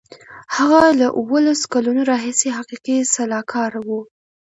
هغه له اوولس کلونو راهیسې حقوقي سلاکار و.